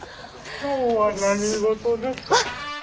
今日は何事ですか？